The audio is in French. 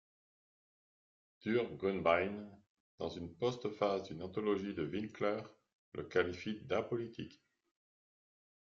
Durs Grünbein, dans une postface d'une anthologie de Winkler, le qualifie d'apolitique.